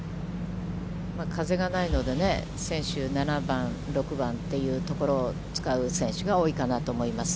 風がないので、７番、６番というところを使う選手が多いかなと思います。